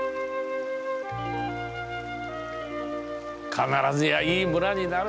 必ずやいい村になる。